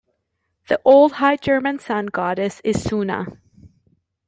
The Old High German Sun goddess is Sunna.